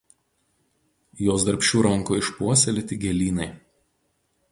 Jos darbščių rankų išpuoselėti gėlynai